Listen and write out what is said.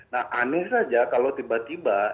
nah aneh saja kalau tiba tiba